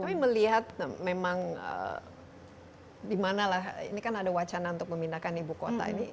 tapi melihat memang dimana lah ini kan ada wacana untuk memindahkan ibu kota ini